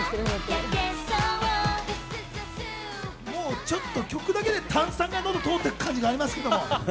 もうちょっと、曲だけで炭酸が喉を通っていく感じになりますよね。